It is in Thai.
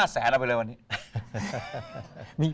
แสนเอาไปเลยวันนี้